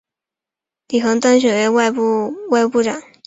李璜当选为外务部长。